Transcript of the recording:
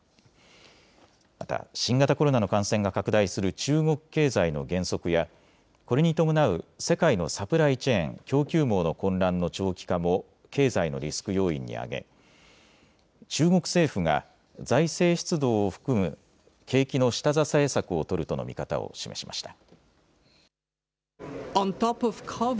また新型コロナの感染が拡大する中国経済の減速やこれに伴う世界のサプライチェーン・供給網の混乱の長期化も経済のリスク要因に挙げ中国政府が財政出動を含む景気の下支え策を取るとの見方を示しました。